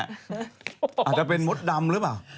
อาจจะเป็นมดดำหรือเปล่า